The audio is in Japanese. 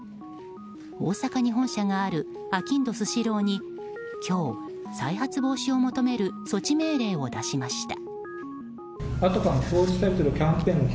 大阪に本社があるあきんどスシローに今日、再発防止を求める措置命令を出しました。